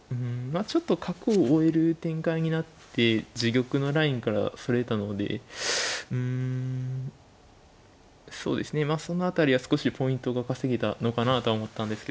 まあちょっと角を追える展開になって自玉のラインからそれたのでうんそうですねまあその辺りは少しポイントが稼げたのかなとは思ったんですけど